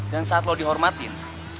dan saat lo dihormatin